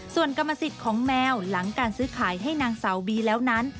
ส่วนกรรมสิทธิ์ของแมวหลังการซื้อขายให้นางสาวบีแล้วนั้น